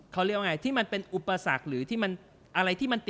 เขาเรียกว่าไงที่มันเป็นอุปสรรคหรือที่มัน